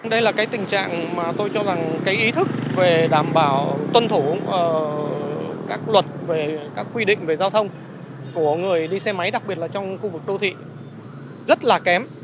về giao thông của người đi xe máy đặc biệt là trong khu vực đô thị rất là kém